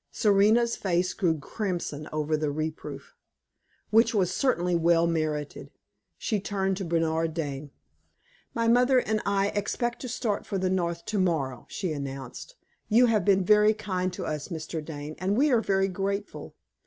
Serena's face grew crimson over the reproof, which was certainly well merited. She turned to Bernard Dane. "My mother and I expect to start for the North to morrow," she announced. "You have been very kind to us, Mr. Dane, and we are very grateful.